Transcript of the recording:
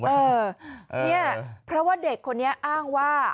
เออเนี่ยเพราะว่าเด็กคนนี้อ้างว่า